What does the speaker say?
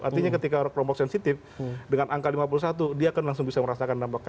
artinya ketika kelompok sensitif dengan angka lima puluh satu dia akan langsung bisa merasakan dampaknya